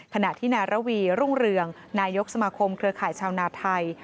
ขณะที่นารวีรุ่งเรืองนายกสมาคมเครือข่ายชาวนาไทย